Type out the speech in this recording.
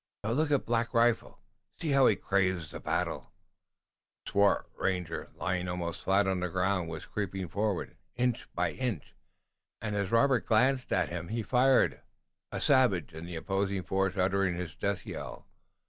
But look at Black Rifle! See how he craves the battle!" The swart ranger, lying almost flat on the ground, was creeping forward, inch by inch, and as Robert glanced at him he fired, a savage in the opposing force uttering his death yell.